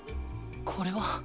これは？